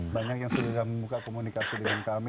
banyak yang sudah membuka komunikasi dengan kami